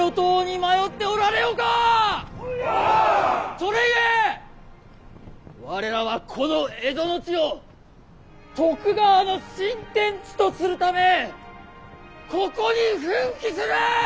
それゆえ我らはこの蝦夷の地を徳川の新天地とするためここに奮起する！